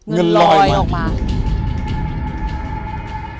เงินลอยออกมา